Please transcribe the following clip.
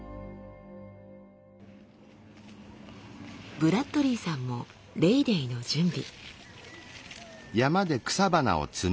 ブラッドリーさんもレイ・デーの準備。